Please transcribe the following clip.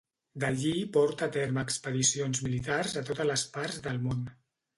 D'allí porta a terme expedicions militars a totes les parts del món.